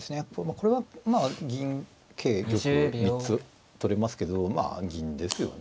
これはまあ銀桂玉３つ取れますけどまあ銀ですよね。